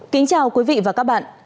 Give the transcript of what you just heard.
kính chào quý vị và các bạn